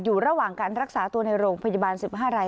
อยู่ระหว่างการรักษาตัวในโรงพยาบาล๑๕ราย